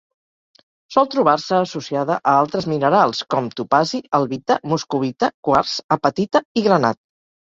Sol trobar-se associada a altres minerals com: topazi, albita, moscovita, quars, apatita i granat.